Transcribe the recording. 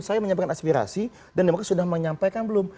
saya menyampaikan aspirasi dan demokrat sudah menyampaikan belum